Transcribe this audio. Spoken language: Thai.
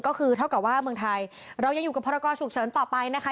ก็คือเท่ากับว่าเมืองไทยเรายังอยู่กับพรกรฉุกเฉินต่อไปนะคะ